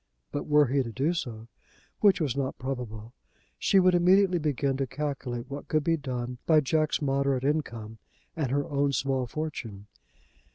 But were he to do so, which was not probable, she would immediately begin to calculate what could be done by Jack's moderate income and her own small fortune.